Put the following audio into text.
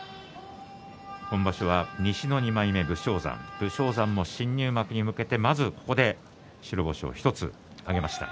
今場所は西の２枚目武将山武将山も新入幕に向けてまずここで白星を１つ上げました。